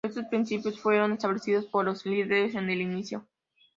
Estos principios fueron establecidos por los líderes en el inicio.